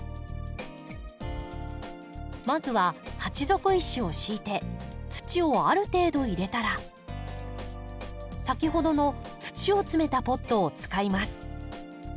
まずは鉢底石を敷いて土をある程度入れたら先ほどの土を詰めたポットを使います。